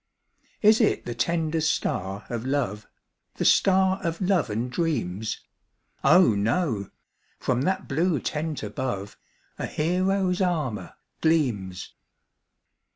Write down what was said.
Is it the tender star of love? The star of love and dreams? Oh, no! from that blue tent above, A hero's armour gleams.